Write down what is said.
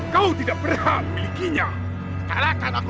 kau tidak bisa menangkapku